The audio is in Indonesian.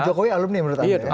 jokowi alumni menurut anda